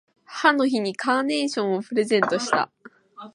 母の日にカーネーションをプレゼントした。